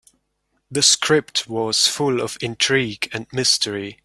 The script was full of intrigue and mystery.